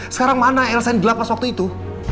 sekarang mana elsa yang di lapas waktu itu